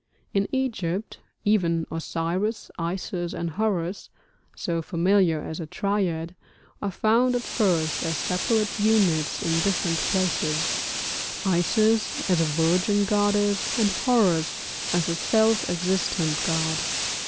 In Egypt even Osiris, Isis, and Horus (so familiar as a triad) are found at first as separate units in different places, Isis as a virgin goddess, and Horus as a self existent god.